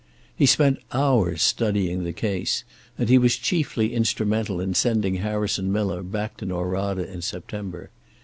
He spent hours studying the case, and he was chiefly instrumental in sending Harrison Miller back to Norada in September.